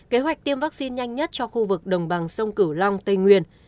kế hoạch tiêm vaccine nhanh nhất cho khu vực đồng bằng sông cửu long tây nguyên